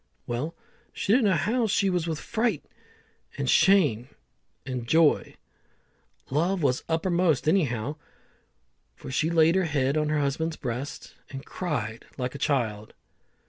Well, she didn't know how she was with fright, and shame, and joy. Love was uppermost anyhow, for she laid her head on her husband's breast and cried like a child.